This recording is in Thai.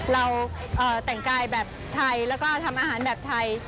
เราแต่งกายแบบไทยแล้วก็ทำอาหารแบบไทย